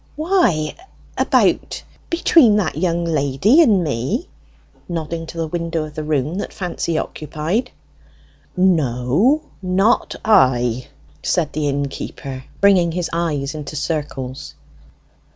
"Why about between that young lady and me?" nodding to the window of the room that Fancy occupied. "No; not I!" said the innkeeper, bringing his eyes into circles.